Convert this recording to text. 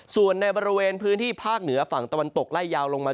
ส่วนในบริเวณพื้นที่ภาคเหนือฝั่งตะวันตกไล่ยาวลงมา